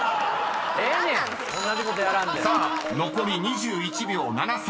［さあ残り２１秒７３］